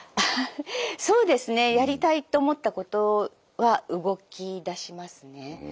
そうですねやりたいと思ったことは動きだしますね。